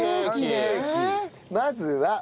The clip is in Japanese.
まずは。